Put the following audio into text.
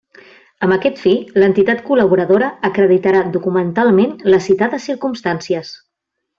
Amb aquest fi, l'entitat col·laboradora acreditarà documentalment les citades circumstàncies.